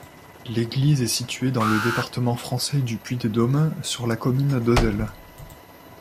L'église est située dans le département français du Puy-de-Dôme, sur la commune d'Auzelles.